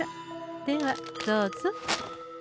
ではどうぞ。